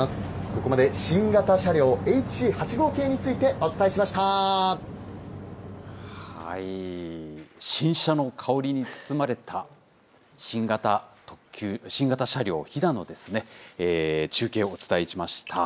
ここまで新型車両、ＨＣ８５系に新車の香りに包まれた、新型車両ひだの中継をお伝えしました。